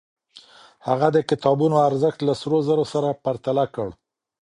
هغه د کتابونو ارزښت له سرو زرو سره پرتله کړ.